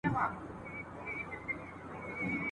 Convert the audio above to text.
حاجي مریم اکا وویل چي پرتوګ مي لا نه وو اغوستی.